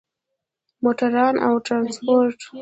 موټروان او ترانسپورت